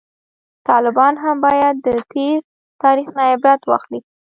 طالبان هم باید د تیر تاریخ نه عبرت واخلي